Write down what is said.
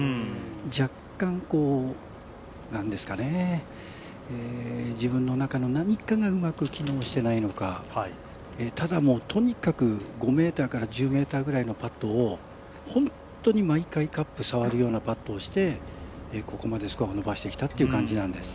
若干、自分の中の何かがうまく機能していないのか、ただ、とにかく５ｍから１０ｍくらいのパットを本当に毎回カップ触るようなパットをしてここまでスコアを伸ばしてきたっていう感じなんです。